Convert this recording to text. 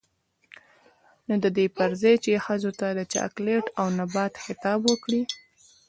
نـو د دې پـر ځـاى چـې ښـځـو تـه د چـاکـليـت او نـبـات خـطاب وکـړي.